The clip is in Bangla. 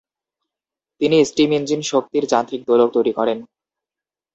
তিনি স্টিম ইঞ্জিন শক্তির যান্ত্রিক দোলক তৈরি করেন।